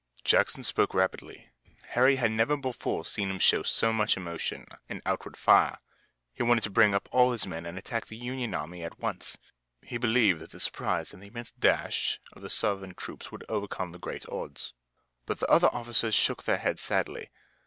Jackson spoke rapidly. Harry had never before seen him show so much emotion and outward fire. He wanted to bring up all his men and attack the Union army at once. He believed that the surprise and the immense dash of the Southern troops would overcome the great odds. But the other officers shook their heads sadly.